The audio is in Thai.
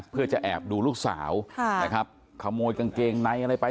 เพื่อจะแอบดูลูกสาวนะครับขโมยกางเกงในอะไรไป